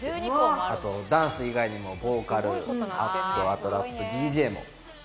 あとダンス以外にもボーカルあとラップＤＪも学べて。